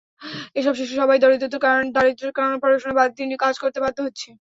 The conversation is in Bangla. এসব শিশুর সবাই দারিদ্র্যের কারণে পড়াশোনা বাদ দিয়ে কাজ করতে বাধ্য হচ্ছে।